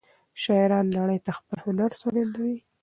شاعران نړۍ ته خپل هنر څرګندوي.